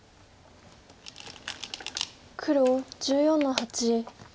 黒１４の八。